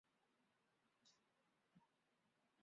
一切都妥当惹拉